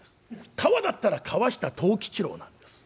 川だったら「川下藤吉郎」なんです。